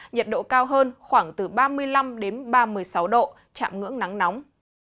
nhiệt độ cao hơn khoảng từ ba mươi năm ba mươi sáu độ chạm ngưỡng nắng nóng